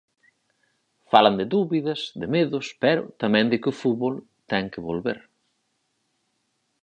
Falan de dúbidas, de medos, pero tamén de que o fútbol ten que volver.